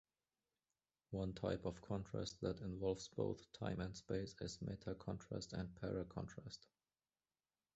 One type of contrast that involves both time and space is metacontrast and paracontrast.